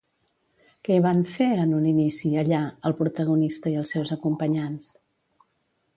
Què hi van fer en un inici, allà, el protagonista i els seus acompanyants?